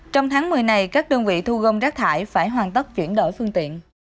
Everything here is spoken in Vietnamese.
trong tháng một mươi này các đơn vị thu gom rác thải phải hoàn tất chuyển đổi phương tiện